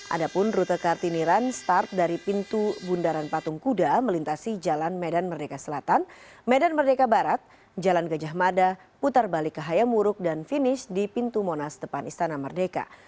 ada pun rute kartini run start dari pintu bundaran patung kuda melintasi jalan medan merdeka selatan medan merdeka barat jalan gajah mada putar balik ke hayamuruk dan finish di pintu monas depan istana merdeka